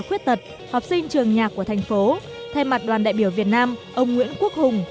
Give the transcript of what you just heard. khuyết tật học sinh trường nhạc của thành phố thay mặt đoàn đại biểu việt nam ông nguyễn quốc hùng